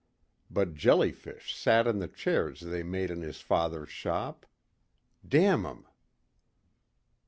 But jellyfish sat in the chairs they made in his father's shop. Damn 'em.